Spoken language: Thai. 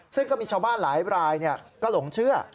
ซึ่งก็มีชาวบ้านหลายรายก็หลงเชื่อ